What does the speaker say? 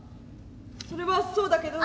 それはそうだけど。